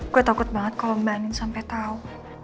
gue takut banget kalo mbak andin sampe tau